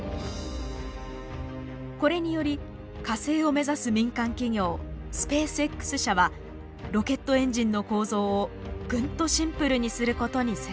これにより火星を目指す民間企業スペースＸ社はロケットエンジンの構造をぐんとシンプルにすることに成功。